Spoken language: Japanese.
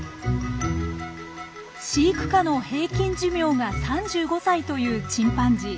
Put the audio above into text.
飼育下の平均寿命が３５歳というチンパンジー。